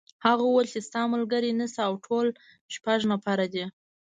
هغه وویل چې ستا ملګري نشته او ټول شپږ نفره دي.